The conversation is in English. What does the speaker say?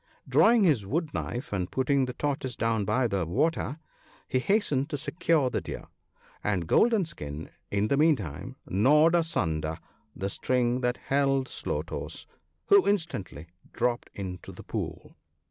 Drawing his wood knife, and putting the Tortoise down by the water, he hastened to secure the Deer, and Golden skin, in the meantime, gnawed asunder the string that held Slow toes, who instantly dropped into the pool.